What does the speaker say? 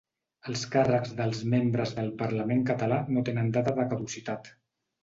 Els càrrecs dels membres del Parlament català no tenen data de caducitat